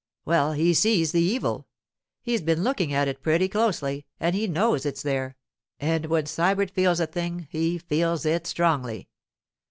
'Well, he sees the evil. He's been looking at it pretty closely, and he knows it's there; and when Sybert feels a thing he feels it strongly.